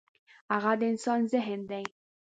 هغه د انسان ذهن دی.